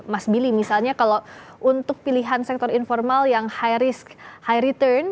mas billy misalnya kalau untuk pilihan sektor informal yang high risk high return